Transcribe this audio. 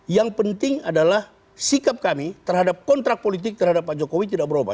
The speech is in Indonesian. yang penting adalah sikap kami terhadap kontrak politik terhadap pak jokowi tidak berubah